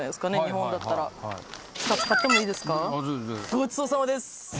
ごちそうさまです！